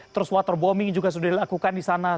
terus water bombing juga sudah dilakukan di sana